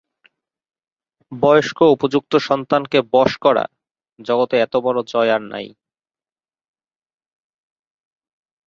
বয়স্ক উপযুক্ত সন্তানকে বশ করা, জগতে এতবড় জয় আর নাই।